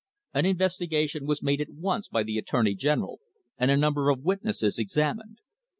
An investigation was at once made by the attorney general, and a number of witnesses examined.